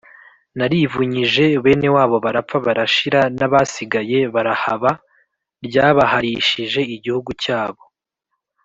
narivunyije bene wabo barapfa barashira, n’abasigaye barahaba, ryabahalishije igihugu cyabo.